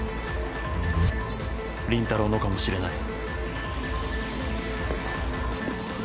倫太郎のかもしれない。